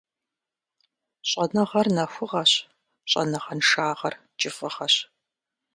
Щӏэныгъэр нэхугъэщ, щӏэныгъэншагъэр кӏыфӏыгъэщ.